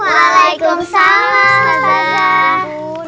waalaikum salam ustadzah